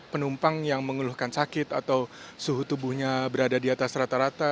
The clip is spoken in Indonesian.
penumpang yang mengeluhkan sakit atau suhu tubuhnya berada di atas rata rata